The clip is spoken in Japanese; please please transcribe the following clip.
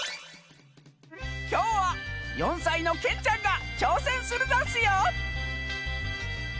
きょうは４さいのけんちゃんがちょうせんするざんすよ！